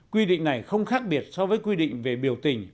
quy định này không khác biệt so với quy định về biểu tình